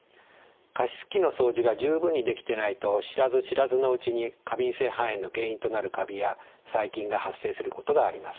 加湿器の掃除が十分にできてないと知らず知らずのうちに過敏性肺炎の原因となるカビや細菌が発生することがあります。